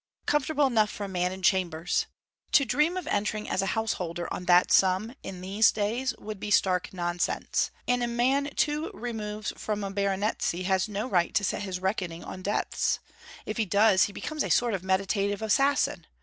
Comfortable enough for a man in chambers. To dream of entering as a householder on that sum, in these days, would be stark nonsense: and a man two removes from a baronetcy has no right to set his reckoning on deaths: if he does, he becomes a sort of meditative assassin.